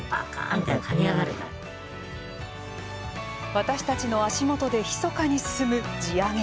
私たちの足元でひそかに進む地上げ。